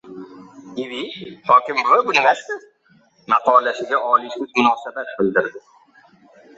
«Ibi, hokim buva, bu nimasi?» maqolasiga Oliy sud munosabat bildirdi